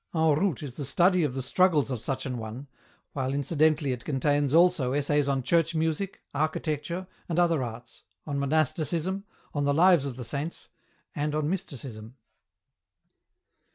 " En Route " is a story of the struggles of such an one, while incidentally it contains also essays on Church music, Architecture, and ' other Arts, on Monasticism, on the Lives of the Saints, and on Mysticism.